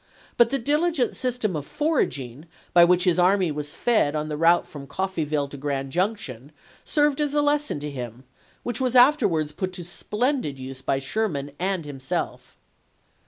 But the diligent system of foraging by which his army was fed on the route from Coffeeville to Grand Junction served as a lesson to him which was afterwards put to splendid use by Sherman and himself.